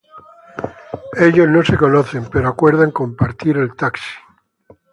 Ellos no se conocen, pero acuerdan compartir el taxi.